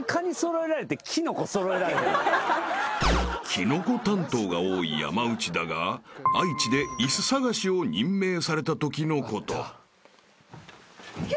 ［キノコ担当が多い山内だが愛知で椅子探しを任命されたときのこと］